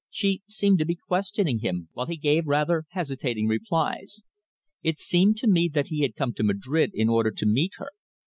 She seemed to be questioning him, while he gave rather hesitating replies. It seemed to me that he had come to Madrid in order to meet her.